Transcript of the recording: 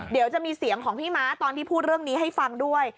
เดี๋ยวจะมีเสียงของพี่ม้าตอนที่พูดเรื่องนี้ให้ฟังด้วย